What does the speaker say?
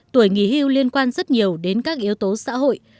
tuổi nghỉ hưu liên quan rất nhiều đến các yếu tố xã hội